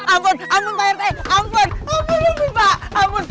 ampun ampun pak rete ampun ampun ampun pak ampun